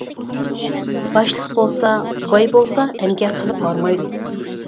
باشلىق بولسا، باي بولسا، ئەمگەك قىلىپ ھارمايدۇ.